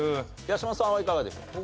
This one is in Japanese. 八嶋さんはいかがでしょうか？